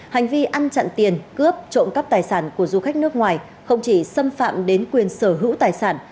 hành vi ăn chặn tiền cướp trộm cắp tài sản của du khách nước ngoài không chỉ xâm phạm đến quyền sở hữu tài sản